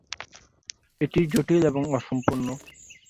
এটি জটিল এবং অসম্পূর্ণ।